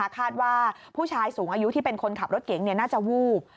คาดว่าผู้ชายสูงอายุที่เป็นคนขับรถเก๋งน่าจะวูบ